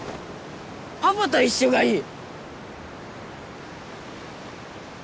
パパと一緒がいい！